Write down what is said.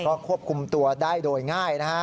ก็ควบคุมตัวได้โดยง่ายนะฮะ